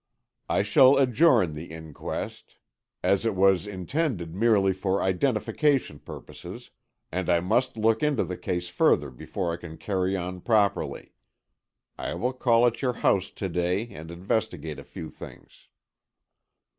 "I shall adjourn the inquest, as it was intended merely for identification purposes, and I must look into the case further before I can carry on properly. I will call at your house to day, and investigate a few things."